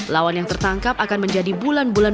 lawan yang tertangkap akan menjadi bulan bulan